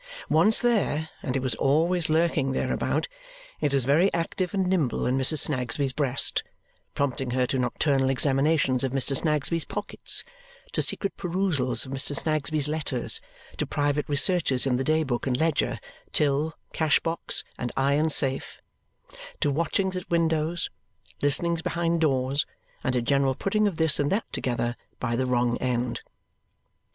Once there (and it was always lurking thereabout), it is very active and nimble in Mrs. Snagsby's breast, prompting her to nocturnal examinations of Mr. Snagsby's pockets; to secret perusals of Mr. Snagsby's letters; to private researches in the day book and ledger, till, cash box, and iron safe; to watchings at windows, listenings behind doors, and a general putting of this and that together by the wrong end.